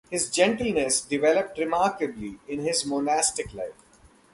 His gentleness developed remarkably in his monastic life.